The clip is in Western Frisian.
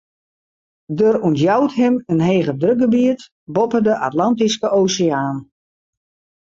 Der ûntjout him in hegedrukgebiet boppe de Atlantyske Oseaan.